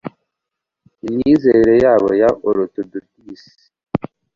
Imyizerere yabo ya orotodogisi.